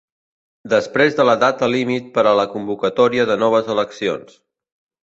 Després de la data límit per a la convocatòria de noves eleccions.